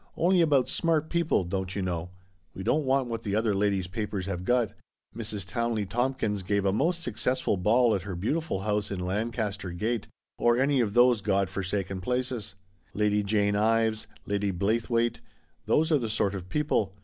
Only about smart people, don't you know. We don't want what the other ladies' papers have got :' Mrs. Townley Tompkins gave a most successful ball at her beautiful IN GRUB STREET. 143 house in Lancaster Gate, or Cromwell Road, or any of those God forsaken places. Lady Jane Ives, Lady Blaythewaite — those are the sort of people.